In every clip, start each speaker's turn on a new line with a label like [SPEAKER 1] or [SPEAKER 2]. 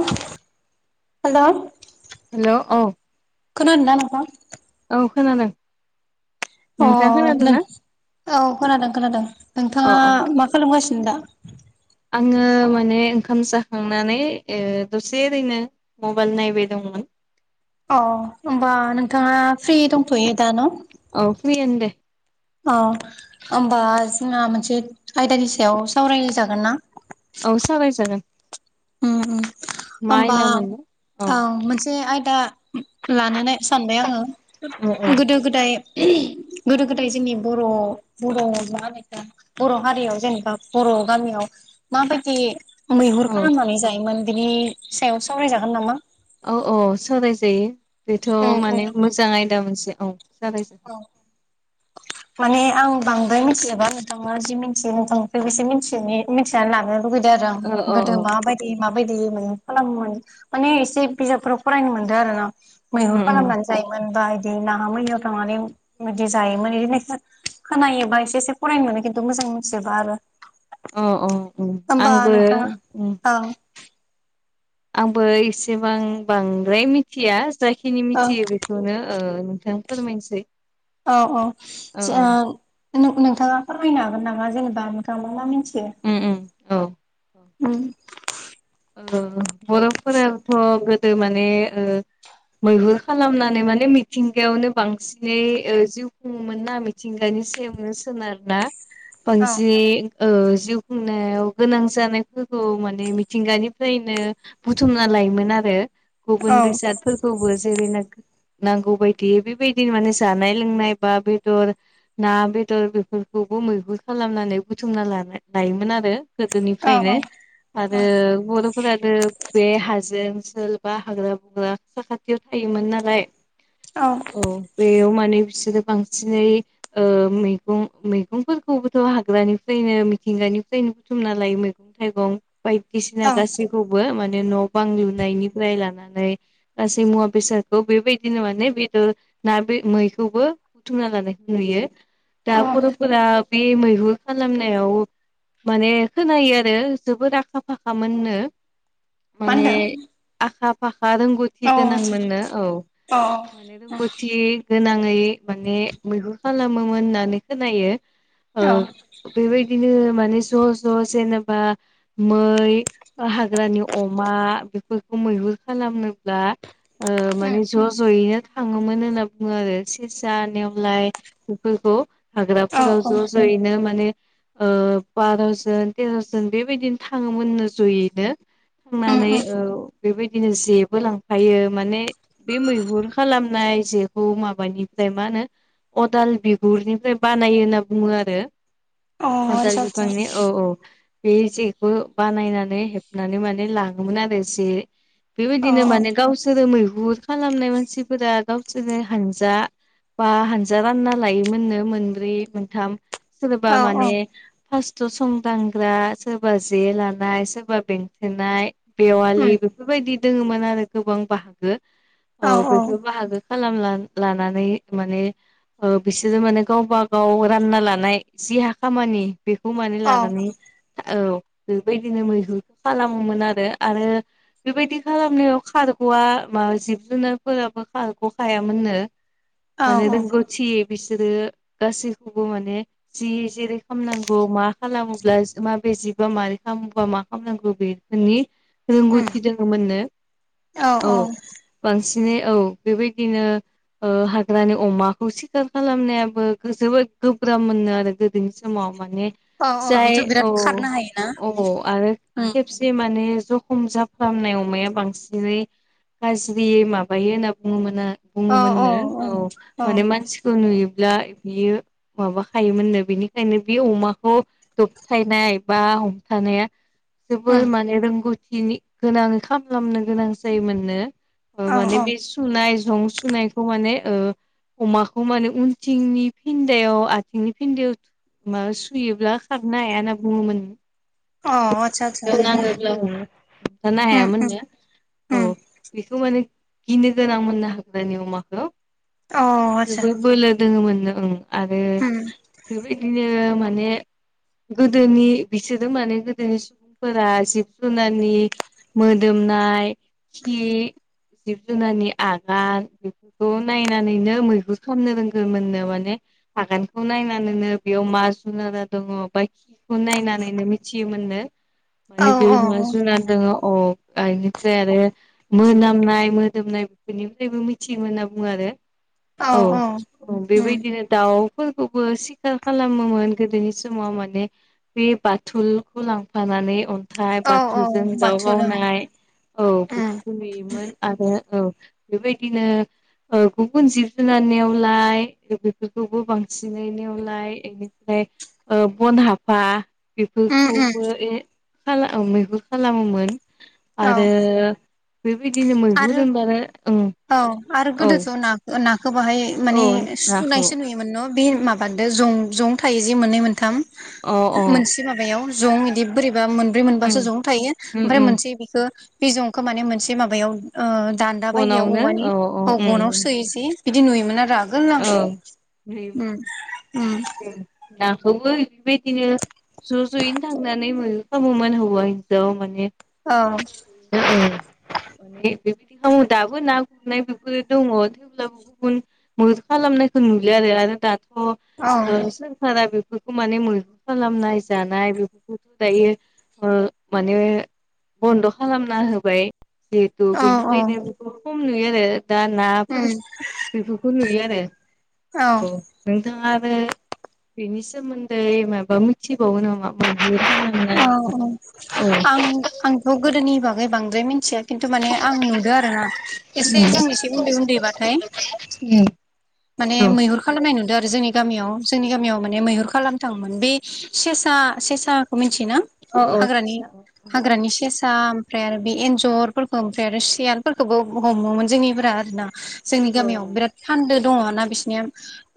[SPEAKER 1] [inaudible] Hello.
[SPEAKER 2] Hello औ।
[SPEAKER 1] खोनादोंना नोंथां?
[SPEAKER 2] औ खोनादों।
[SPEAKER 1] अ
[SPEAKER 2] नोंथाङा खोनादों
[SPEAKER 1] नो
[SPEAKER 2] ना
[SPEAKER 1] औ खोनादों खोनादों
[SPEAKER 2] औ
[SPEAKER 1] नोंथाङा
[SPEAKER 2] औ
[SPEAKER 1] मा खालामगासि खोन्दा
[SPEAKER 2] आङो माने ओंखाम जाखांनानै ओ दसे ओरैनो मबाइल नायबाय दंमोन।
[SPEAKER 1] अ ओमबा नोंथाङा फ्रि दंथ'यो दा ना?
[SPEAKER 2] औ फ्रियानो दे।
[SPEAKER 1] औ होमबा जोंहा मोनसे आयदानि सायाव सावरायजागोन ना?
[SPEAKER 2] औ सावराय जागोन।
[SPEAKER 1] उम होमबा
[SPEAKER 2] आयदामोन
[SPEAKER 1] औ मोनसे आयदा लानो ना सानबाय आङो गोदो-गोदाय [inaudible] गोदो-गोदाय जोंनि बर' बर' मा होनो इखो बर' हारियाव जेनेबा बर' गामियाव माबायदि मैहुर
[SPEAKER 2] औ
[SPEAKER 1] खालामनानै जायोमोन बिनि सायाव सावरायजागोन नामा?
[SPEAKER 2] औ औ सरायजायो बेथ'
[SPEAKER 1] उम उम
[SPEAKER 2] माने मोजां आयदा मोनसे औ। जाबाय जो
[SPEAKER 1] माने आं बांद्राय मिथिजोबा नोंथाङा जि मिथियो नोंथांनिफ्रायबो बेसे मिथि ने मिथिना लागोन। लुुबैदो आरो आं
[SPEAKER 2] औ औ
[SPEAKER 1] गोदो
[SPEAKER 2] औ
[SPEAKER 1] माबायदि मा माबायदि माने खालामोम माने एसे बिजाबफोराव फरायनो मोनदों आरो ना। मैहुर खालामनानै जायोमोन बा इदि नाहा मैयाव थांनानै बिदि जायोमोन बिदि होन खोनायोबा एसे एसे फरायनो मोनो खिन्थु मोजां मोनथिजोबा आरो।
[SPEAKER 2] अ अ उम
[SPEAKER 1] होमबा
[SPEAKER 2] आंबो
[SPEAKER 1] नोंथाङा
[SPEAKER 2] उम
[SPEAKER 1] ओं
[SPEAKER 2] आंबो एसेबां बांद्राय मिथिया जाखिनि
[SPEAKER 1] औ
[SPEAKER 2] मिथियो बेखौनो ओ नोंथां फोरमायनोसै।
[SPEAKER 1] औ औ
[SPEAKER 2] औ
[SPEAKER 1] स
[SPEAKER 2] औ
[SPEAKER 1] नों नोंथाङा फोरमायनो हागोन नामा जेनेबा नोंथाङा मा मिथि ओ
[SPEAKER 2] उम उम औ
[SPEAKER 1] उम।
[SPEAKER 2] ओ बर'फोराथ' गोदो माने ओ मैहुर खालामनानै माने मिथिंगायावनो बांसिनै ओ जिउ खुङोमोन ना मिथिंगानि हिसेयावनो सोनारना
[SPEAKER 1] औ
[SPEAKER 2] बांसिनै ओ जिउ खुंनायाव गोनां जानायफोरखौ माने मि मिथिंगानिफ्रायनो बुथुमना लायोमोन आरो।
[SPEAKER 1] औ
[SPEAKER 2] गुबुन बेसादफोरखौबो जेरै नो नांगौ बायदि बेबायदिनो माने जानाय लोंनाय बा बेदर ना बेदर बेफोरखौ मैहुर खालामनानै बुथुमना ला लायोमोन आरो।
[SPEAKER 1] औ
[SPEAKER 2] गोदोनिफ्रायनो आरो बर' फोरानो बे हाजो ओनसोल बा हाग्रा-बंग्रा साखाथियाव थायोमोन नालाय औ बेयाव मा बिसोरो बांसिनैै ओ मैगं मैगंफोरखौबोथ' हाग्रानिफ्रायनो मिथिंगानिफ्रायनो बुथुमना लायो मैगं-थाइगं बायदिसिना
[SPEAKER 1] औ
[SPEAKER 2] गासैखौबो मान न' बां लुनायनिफ्राय लानानै गासै मुवा बेसादखौ बेबायदिनो माने बेदर ना बे मैखौबो बुथुमना लानायखौ नुयो दा बर'फोरा बे मैहुर खालामनायाव माने खोनायो आरो जोबोद आ आखा फाखामोननो
[SPEAKER 1] मा
[SPEAKER 2] माने
[SPEAKER 1] होनदों
[SPEAKER 2] आखा फाखा हा रोंगौथि
[SPEAKER 1] औ औ
[SPEAKER 2] गोनांमोननो औ माने रोंगौथि गोनाङै माने मैहुर खालामोमोन होननानै खोनायो ओ
[SPEAKER 1] औ
[SPEAKER 2] बेबायदिनो माने ज' ज' जनेबा मै हाग्रानि अमा बेफोरखौ मैहुर खालामनो ब्ला ओ माने ज' ज' यै थाङोमोन होनना बुङो आरो सेसा नेवलाय बेफोरखौ
[SPEAKER 1] औ
[SPEAKER 2] हाग्राफोराव
[SPEAKER 1] औ
[SPEAKER 2] ज' जयैनो माने ओ बार'जन तेर'जोन बेबायदिनो थाङोमोननो जयैनो थांनानै औ बेबायदिनो जेबो लांफायो माने बे मैहुर खालामनाय जेखौ माबानि मा होनो अदाल बिगुरनिफ्राय बानायो होनना बुङो आरो
[SPEAKER 1] औ
[SPEAKER 2] अ दाल
[SPEAKER 1] आतसा आतसा
[SPEAKER 2] बिफांनि औ औ बे जे खौ बो बानायनानै हेबनानै माने लाङोमोन आरो जे।
[SPEAKER 1] औ
[SPEAKER 2] बेबायदिनो माने गावसोरो मैहुर खालामनाय मानसिफोरा गावसोरनो हानजा बा हानजा रानना लायोमोननो मोनब्रै मोनथाम सोरबा
[SPEAKER 1] औ
[SPEAKER 2] माने फास्त' सं दांग्रा सोरबा जे लानाय सोरबा बेंथेनाय बेवालि बेफोरबायदि दोङोमोन आरो गोबां बाहागो
[SPEAKER 1] औ
[SPEAKER 2] अ बेफोर बाहागो खालाम ला लानानै माने ओ बिसोरो माने गावबा गाव रानना लानाय जि हा खामानि बेखौ माने
[SPEAKER 1] औ
[SPEAKER 2] लानानै औ
[SPEAKER 1] [inaudible]
[SPEAKER 2] बेबायदिनो मैहुरखौ खालामोमोन आरो आरो बेबायदि खालामनायाव खारग'आ मा जिब जुनारफोराबो खारग' खायामोननो। माने रोंगौथि बिसोरो गासैखौबो माने जि जेरै खामनांगौ मा खालामोब्ला माबजिबा माबारै खालामोबा मा खालामनांगौ बेफोरनि रोंगौथि दोङो मोननो औ बांसिन औ बेबायदिनो ओ हाग्रानि अमाखौ सिखार खालामनायाबो जोबोद गोब्राब मोनो आरो गोदोनि समाव माने
[SPEAKER 1] औ औ
[SPEAKER 2] जाय
[SPEAKER 1] बेथ' बिराद
[SPEAKER 2] औ
[SPEAKER 1] खारनो हायोना
[SPEAKER 2] अ आरो
[SPEAKER 1] औ
[SPEAKER 2] खेबसे मा माने जखम जाफ्रामनाय अमाया बांसिनै हाज्रियै माबायो होनना बुङोमोन बुङोमोननो औ माने
[SPEAKER 1] औ
[SPEAKER 2] मानसिखौ नुयो ब्ला बियो माबाखायोमोननो बिनिखायनो बे अमाखौ दब थायनाय बा हमथानाया जोबोर माने रोंगौ इनि गोनां खामलामनो गोनां जायोमोननो
[SPEAKER 1] औ
[SPEAKER 2] माने
[SPEAKER 1] औ
[SPEAKER 2] बे सुनाय जं सुनायखौ माने ओ अमाखौ माने उनथिंनि फिन्दायाव आथिंनि फिन्दायाव मा सु हुयोब्ला खारनो हाया होनना बुङोमोन।
[SPEAKER 1] अ आतसा आतसा उम
[SPEAKER 2] नाङोब्लाबो [unintelligible]
[SPEAKER 1] उम उम
[SPEAKER 2] हायामोननो। औ
[SPEAKER 1] उम
[SPEAKER 2] बेखो माने गिनो गोनां मोननो हाग्रानि अमाखौ।
[SPEAKER 1] अ आतसा
[SPEAKER 2] जोबोद बोलो दोङोमोन नो ओं आरो
[SPEAKER 1] उम
[SPEAKER 2] बेबायदिनो माने गोदोनि बिसोरो माने गोदोनि सुबुंफोरा जिब जुनारनि मोदोमनाय, खि, जिब जुनारनि आगान बेफोरखौ नायनानैनो मैहुर खालामनो रोंगोननो माने आगानखौ नायनानैनो बेयाव मा जुनार दङ बा खिखौ नायनानैनो मिथियो मोननो।
[SPEAKER 1] औ
[SPEAKER 2] माने बे
[SPEAKER 1] औ
[SPEAKER 2] मा जुनार दङ अह आ इनिफ्राय आरो मोनामनाय मोदोमनाय बेफोरनिफ्रायबो मिथियोमोन होनना बुङो आरो। औ
[SPEAKER 1] उम
[SPEAKER 2] बेबायदिनो दाउ फोरखौबो सिखार खालामोमोन गोदोनि समाव माने बे बाथुलखौ लांफानानै अन थाइ
[SPEAKER 1] औ औ
[SPEAKER 2] बाथुलजों दाउ
[SPEAKER 1] बाथौ ओं
[SPEAKER 2] गावनाय औ
[SPEAKER 1] उम
[SPEAKER 2] बेफोरखौ नुयोमोन आरो औ बेबायदिनो गुबुन जिब जुनार नेवलाय बेफोरखौबो बांसिनै नेवलाय एनिफ्राय [inaudible] ओ बनहाफा
[SPEAKER 1] उम उम
[SPEAKER 2] बेफोरखौबो ए खाला मैगुर खालामोमोन।
[SPEAKER 1] औ
[SPEAKER 2] आरो बेबायदिनो
[SPEAKER 1] आरो
[SPEAKER 2] मैहुर होनबानो उम।
[SPEAKER 1] औ आरो गोदोथ' ना-नाखो बाहाय
[SPEAKER 2] औ
[SPEAKER 1] माने
[SPEAKER 2] नाखौ
[SPEAKER 1] सुनायसो नुयोमोन। बे माबादो जं जं थायोजे मोननै मोनथाम
[SPEAKER 2] अ
[SPEAKER 1] मोनसे माबायाव जं इदि बोरैबा मोनब्रै मोनबासो
[SPEAKER 2] उम
[SPEAKER 1] जं थायो
[SPEAKER 2] उम
[SPEAKER 1] ओमफ्राय
[SPEAKER 2] उम
[SPEAKER 1] मोनसे बिखो बि जं खो माने मोनसे माबायाव ओ दान्दा बायदियाव
[SPEAKER 2] फनावनो
[SPEAKER 1] औवानि
[SPEAKER 2] औ औ
[SPEAKER 1] गनाव सोयो जि। बिदि नुयोमोन आरो आं। आगोल
[SPEAKER 2] ओं
[SPEAKER 1] औ
[SPEAKER 2] नुयोमोन। [unintelligible] बेबायदिनो ज' ज'यैनो थांनानै मैहुर खामोमोन हौवा हिनजाव माने
[SPEAKER 1] औ।
[SPEAKER 2] ओं माने बेबायदि खालामो दाबो ना गुरनाय बेफोर दङ थेवब्लाबो गुबुन मदद खालामनायखौ नुलिया आरो। आरो
[SPEAKER 1] औ
[SPEAKER 2] दाथ' सोरखारा बे बेफोरखौ माने मैहुर खालामनाय जानाय बेफोरखौथ' दायो माने बन्द' खालामना होबाय। जिहेथु बेनिखायनो बेखौ खम नुयो आरो दा नाफोर बे नुयो आरो औ नों थाङा आरो बेनि सोमोन्दै माबा मिथिबावो नामा? [unintelligible]
[SPEAKER 1] औ औ आं आंथ' गोदोनि बागै बांद्राय मिथिया खिन्थु माने आं नुदो आरो ना एसे जों एसे उन्दै उन्दैबाथाय माने मैहुर खालामनाय नुदो आरो जोंनि गामियाव जोंनि गामियाव माने मैहुर खालामनो थाङोमोन। बे सेसा सेसा थियोना?
[SPEAKER 2] औ औ
[SPEAKER 1] हाग्रानि
[SPEAKER 2] औ
[SPEAKER 1] हाग्रानि से सा ओमफ्राय आरो बे एन्जरफोरखौ ओमफ्राय आरो सियालफोरखोबो हमोमोन जोंनिफोरा आरोना। जोंनि गामियाव
[SPEAKER 2] औ
[SPEAKER 1] बिराद फान्दो दङ ना बिसनिया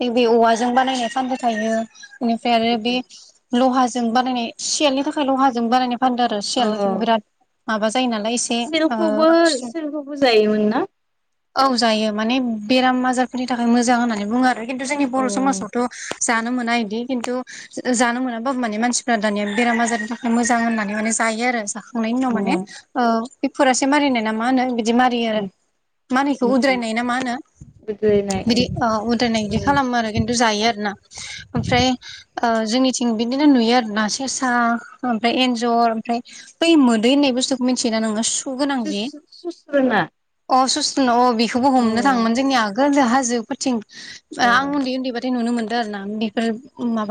[SPEAKER 1] नैबे औवाजों बानायनाय फान्दो थायो। बेनिफ्राय आरो बे
[SPEAKER 2] अ
[SPEAKER 1] लहाजों बानायनाय सियालनि थाखाय लहाजों बानायनाय फान्दो आरो सियालाथ' बिराद माबा जायो नालाय एसे ओ
[SPEAKER 2] सेलखौबो
[SPEAKER 1] खुसुं
[SPEAKER 2] सेलखौबो जायोमोन ना?
[SPEAKER 1] औ जायो माने बेराम आजारफोरनि थाखाय मोजां होननानै बुङो आरो खिन्थु जोंनि
[SPEAKER 2] अ
[SPEAKER 1] बर' समाजावथ' जानो मोना इदि खिन्थु जानो मोनाबाबो माने मानसिफ्रा दानिया बेराम आजारनि थाखाय मोजां होननानै माने जायो आरो जाखांनायनि उनाव माने ओ बेफोरासो मारिनाय ना मा होनो बिदि मारियो आरो मा होनो इखौ उद्रायनाय ना मा होनो?
[SPEAKER 2] गोदोनाय
[SPEAKER 1] बिदि ओ उदायनाय बिदि खालामो आरो खिन्थु जायो आरोना ओमफ्राय ओ जोंनिथिं बिदिनो नुयो आरोना केेसा ओमफ्राय एन्जर ओमफ्राय बै मोदै होननाय बुस्थुखौ मिन्थियोना नोङो खु गोनां
[SPEAKER 2] सुस
[SPEAKER 1] दा
[SPEAKER 2] सुस्रोना
[SPEAKER 1] अ सु बेखौबो
[SPEAKER 2] औ
[SPEAKER 1] हमनो थाङोमोन जोंनि आगोलजों हाजोफोरथिं
[SPEAKER 2] औ
[SPEAKER 1] आं उन्दै उन्दैबथाय नुनो मो नदों आरोना बेफोर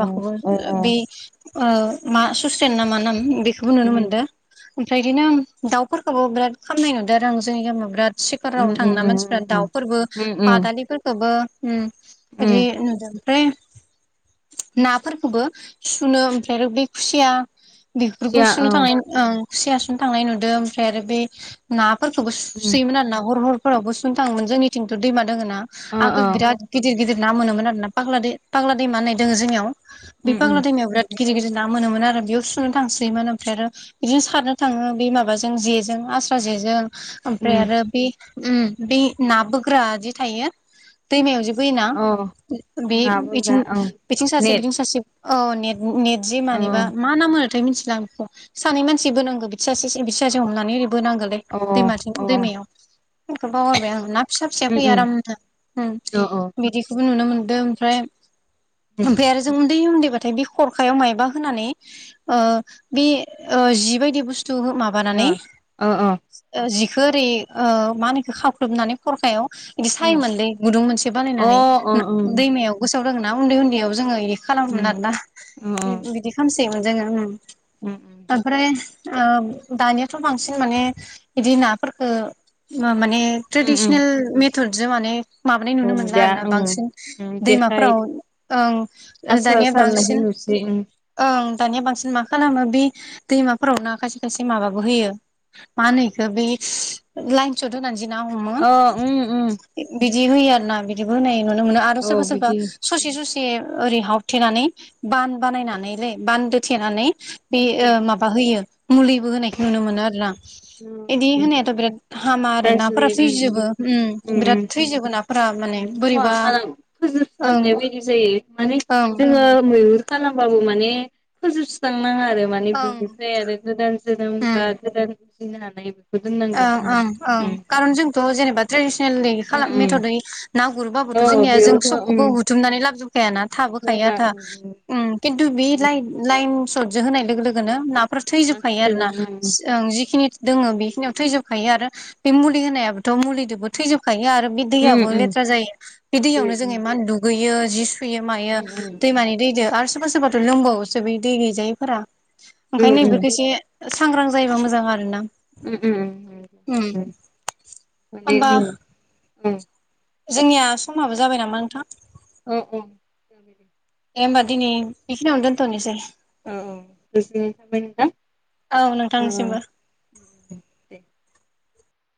[SPEAKER 2] औ औ औ
[SPEAKER 1] बे मा सुसेन ना मा नाम। बेखौबो नुनो मोनदों ओमफ्राय इदिनों दाउफोरखौबो बिराद खामनाय नुदों आरो आं जोंनि गामियाव बिराद
[SPEAKER 2] उम
[SPEAKER 1] सिखराव
[SPEAKER 2] उम
[SPEAKER 1] थांना
[SPEAKER 2] उम उम
[SPEAKER 1] मानसिफोरा दाउफोरबो
[SPEAKER 2] उम उम
[SPEAKER 1] बादालिफोरखौबो उम इदि
[SPEAKER 2] उम
[SPEAKER 1] नुदों ओमफ्राय नाफोरखौबो सुनो ओमफ्राय आरो बे खुसिया बेफोरखौ
[SPEAKER 2] खुसिया
[SPEAKER 1] सुनो
[SPEAKER 2] औ
[SPEAKER 1] थांनाय खुसिया सुनो थांनाय नुदों ओमफ्राय आरो बे ना फोरखौबो
[SPEAKER 2] उम
[SPEAKER 1] सुयोमोन आर ना हर हरफोरावबो सुनो थाङोमोन जोंनिथिंथ' दैमानि दोङ ना
[SPEAKER 2] अ अ
[SPEAKER 1] आगोल बिराद गिदिर गिदिर ना मोनोमोन आरो ना फाग फाग्ला दै म होननाय दोङो जोंनियाव
[SPEAKER 2] उम उम
[SPEAKER 1] बिफाग्ला दैमायाव बिराद गिदिर गिदिर ना मोनोमोन आरो बेयाव सुनो थांसोयोमोन ओमफ्राय आरो बिदिनो सारनो थाङो बे माबाजों जेजों आस्रा जेजों ओमफ्राय
[SPEAKER 2] उम
[SPEAKER 1] आरो बे उम बे ना बोग्रा जि थायो दैमायाव जि बोयोना
[SPEAKER 2] अ
[SPEAKER 1] बे
[SPEAKER 2] ना बोग्रा
[SPEAKER 1] बिथिं
[SPEAKER 2] औ
[SPEAKER 1] बिथिं सासे
[SPEAKER 2] नेट
[SPEAKER 1] बिथिं सासे ने नेट जि
[SPEAKER 2] औ
[SPEAKER 1] मानिबा मा ना मोनोथाय मिथिलां बेखौ सानै मानसि बोनांगौ बिथिं सासे बिथिं सासे हमनानै बोनांगौलै
[SPEAKER 2] अ
[SPEAKER 1] दैमाजों
[SPEAKER 2] अ
[SPEAKER 1] दैमायाव बेखौ बावरबाय आं ना फिसा फिसा
[SPEAKER 2] उम
[SPEAKER 1] फैयो
[SPEAKER 2] उम
[SPEAKER 1] आरामनो
[SPEAKER 2] अ अ
[SPEAKER 1] बिदिखौबो नुनो मोनदों ओमफ्राय
[SPEAKER 2] उम
[SPEAKER 1] ओमफ्राय आरो जों उन्दै उन्दैबाथाय बे खरखायाव माइब बा होनानै ओ बे ओ जि बादि बुस थु
[SPEAKER 2] अ
[SPEAKER 1] माबानानै
[SPEAKER 2] अ अ
[SPEAKER 1] जि खो ओरै मा होनोखौ खावख्लुबनानै खरखायाव बिदि
[SPEAKER 2] उम
[SPEAKER 1] सायो मोनलै गुदुं मोनसे
[SPEAKER 2] अ
[SPEAKER 1] बानायनानै
[SPEAKER 2] अ उम
[SPEAKER 1] दैमायाव गोसोआव दङोना उन्दै उन्दैयाव जोङो इ खालामोमोन
[SPEAKER 2] उम
[SPEAKER 1] आरोना
[SPEAKER 2] अ अ
[SPEAKER 1] बिदि खालामसैयोमोन जोङो ओमफ्राय। ओ दानियाथ' बांसिन माने बिदि नाफोरफोरखौ मा माने ट्रेडिसनेल
[SPEAKER 2] हमलिया
[SPEAKER 1] मेथदजों माने माबानाय नुनो मोनला आर ना
[SPEAKER 2] ओं
[SPEAKER 1] बांसिन
[SPEAKER 2] ओं जेखाइ
[SPEAKER 1] दैमाफोराव ओं दानिया बांसिन
[SPEAKER 2] जे ओं
[SPEAKER 1] ओं दानिया बांसिन मा खालामो बे दैमाफोराव न खायसे खायसे माबाबो होयो मा होनो एखौ बे लाइन सट होनानै जि ना हमो
[SPEAKER 2] अ उम उम
[SPEAKER 1] बिदि होयो आरो ना बिदिबो होनाय नुनो मोनो आरो सोरबा
[SPEAKER 2] औ
[SPEAKER 1] सोरबा
[SPEAKER 2] बिदि
[SPEAKER 1] ससे ससे ओरै हावथेनानै बान बानायनानैलै बानदोथेनानै बे माबा होयो मुलिबो होनायखौ नुनो मोनो आरोना इदि होनायाथ' बिराद हामा आरो नाफोरा
[SPEAKER 2] गाज्रि उम
[SPEAKER 1] थैजोबो उम बिराद थैजोबो नाफोरा माने
[SPEAKER 2] वा
[SPEAKER 1] बोरैबा
[SPEAKER 2] खालाम
[SPEAKER 1] ओं
[SPEAKER 2] फोजोबसांनाय बायदि जायो। माने
[SPEAKER 1] ओं
[SPEAKER 2] जोङो मैहुर खालामबाबो माने फोजोबस्रां नाङा आरो माने
[SPEAKER 1] ओं
[SPEAKER 2] बिनिफ्राय आरो गोदान जोनोम बा
[SPEAKER 1] उम
[SPEAKER 2] गोदान बुजिनो हानायबो
[SPEAKER 1] ओं ओं ओं कारन जोंथ' जेनेबा ट्रेडिसनेल खालाम
[SPEAKER 2] उम उम
[SPEAKER 1] मेथदै ना गुरबाबोथ'
[SPEAKER 2] औ
[SPEAKER 1] जोंनिया जों
[SPEAKER 2] बेयावथ' उम
[SPEAKER 1] सबखौबो हुथुमनानै लाबजोबखायाना थाबोखायो
[SPEAKER 2] जाबा
[SPEAKER 1] आथा
[SPEAKER 2] उम
[SPEAKER 1] उम खान थु बि
[SPEAKER 2] उम,
[SPEAKER 1] लायेन लायेन सटजों होनाय लोगोनो ना फोरा थैजोबखायो आरो
[SPEAKER 2] गासिबो
[SPEAKER 1] ना
[SPEAKER 2] उम उम
[SPEAKER 1] ओं जिखिनि दङ बेखिनियाव थैजोबखायो आरो बे मुलि होनायाबोथ' मुलिजोंबो थैजोबखायो आरो। बे
[SPEAKER 2] उम
[SPEAKER 1] दैयाबो
[SPEAKER 2] उम
[SPEAKER 1] लेथ्रा जायो बे
[SPEAKER 2] जेरै
[SPEAKER 1] दैयावनो जोङो
[SPEAKER 2] उम
[SPEAKER 1] इमान दुगैयो जि फैयो मायो
[SPEAKER 2] उम
[SPEAKER 1] दैमानि दैजों आरो सोरबा सोरबाथ' लोंबावोसो बे दै गैजायैफोरा ओंखायनो
[SPEAKER 2] उम
[SPEAKER 1] बेफोरखौ एसे सांग्रां जायोबा मोजां आर ना उम
[SPEAKER 2] माने
[SPEAKER 1] होमबा
[SPEAKER 2] उम उम
[SPEAKER 1] जोंनिया समाबो जाबाय नामा नोंथां
[SPEAKER 2] औ औ।
[SPEAKER 1] दे होनबा दिनै बेखिनियावनो दोनथ'नोसै
[SPEAKER 2] उम [unintelligible]
[SPEAKER 1] औ नोंथांनिसिमबो
[SPEAKER 2] उम। [inaudible]